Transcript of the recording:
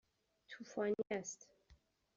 طوفانی است.